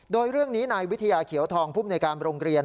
โดยเรื่องนี้ในวิทยาเขียวทองผู้บรรยาการโรงเรียน